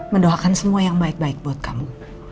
mendoakan semua yang baik baik buat kamu